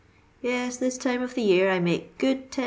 Yes, this time of the year I make good 10«.